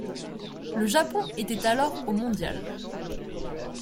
Le Japon était alors au mondial.